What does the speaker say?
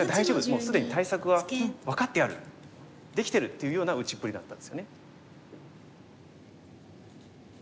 もうすでに対策は分かってるできてる」というような打ちっぷりだったんですよね。